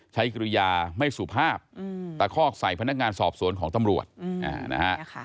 กิริยาไม่สุภาพตะคอกใส่พนักงานสอบสวนของตำรวจนะฮะ